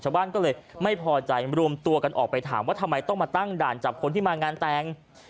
ชาวบ้านก็เลยไม่พอใจรวมตัวกันออกไปถามว่าทำไมต้องมาตั้งด่านจับคนที่มางานแต่ง